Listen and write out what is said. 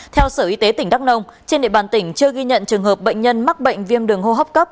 theo sở y tế tỉnh đắk nông trên địa bàn tỉnh chưa ghi nhận trường hợp bệnh nhân mắc bệnh viêm đường hô hấp cấp